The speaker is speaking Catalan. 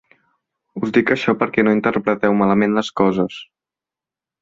Us dic això perquè no interpreteu malament les coses.